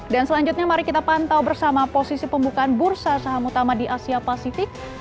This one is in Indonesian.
dan selanjutnya mari kita pantau bersama posisi pembukaan bursa saham utama di asia pasifik